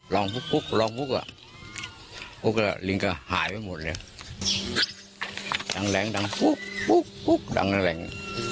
ลองลองลิงกะหายไปหมดเลยดังแหลงดังดังแหลง